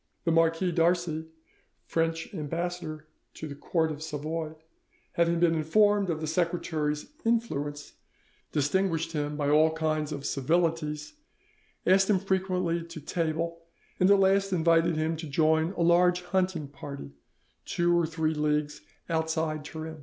The Marquis d'Arcy, French ambassador to the court of Savoy, having been informed of the secretary's influence, distinguished him by all kinds of civilities, asked him frequently to table, and at last invited him to join a large hunting party two or three leagues outside Turin.